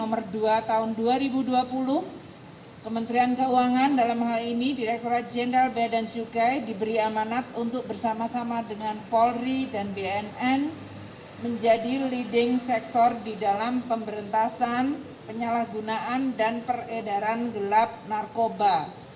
nomor dua tahun dua ribu dua puluh kementerian keuangan dalam hal ini direkturat jenderal bea dan cukai diberi amanat untuk bersama sama dengan polri dan bnn menjadi leading sector di dalam pemberantasan penyalahgunaan dan peredaran gelap narkoba